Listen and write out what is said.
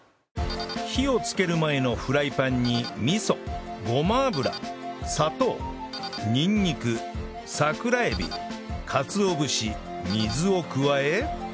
火をつける前のフライパンに味噌ごま油砂糖にんにく桜エビかつお節水を加え